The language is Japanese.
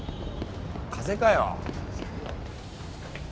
風邪かよ。